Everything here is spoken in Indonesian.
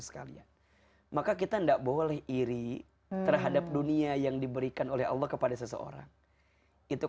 sekalian maka kita ndak boleh iri terhadap dunia yang diberikan oleh allah kepada seseorang itu